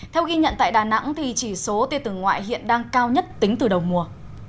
theo ghi nhận tại đà nẵng chỉ số tia tử ngoại hiện đang cao nhất tính từ đầu mùa